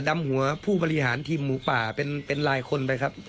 ดำหัวผู้บริหารทีมหมูป่าเป็นลายคนไปครับ